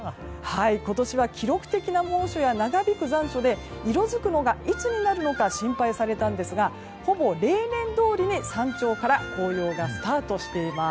今年は記録的な猛暑や長引く残暑で色づくのがいつになるのか心配されたんですがほぼ例年どおりに、山頂から紅葉がスタートしています。